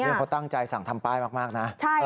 เพราะตั้งใจสั่งทำป้ายมากนะ